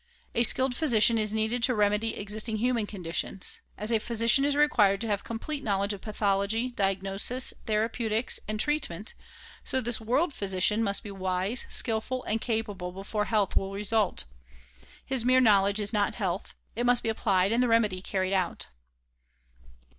A skilled physician is needed to remedy existing human conditions. As a physician is required to have complete knowledge of pathology, diagnosis, therapeutics and treatment, so this world physician must be wise, skillful and capable before health will result. His mere knowledge is not health ; it must be applied and the remedy carried out.